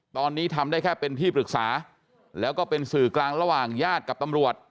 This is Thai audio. ตอนนี้ทำได้แค่เป็นที่ปรึกษาแล้วก็เป็นสื่อกลางระหว่างญาติกับตำรวจ